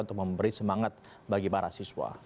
untuk memberi semangat bagi para siswa